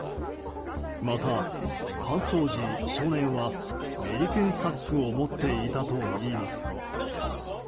また、搬送時少年はメリケンサックを持っていたといいます。